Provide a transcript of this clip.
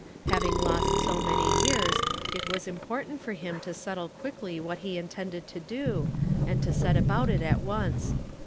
Having lost so many years, it was important for him to settle quickly what ho int<'iided to do, and to set about it at once.